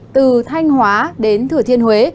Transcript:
từ thanh hóa đến thừa thiên huế